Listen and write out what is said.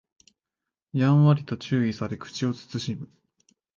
やんわりと注意され口を慎む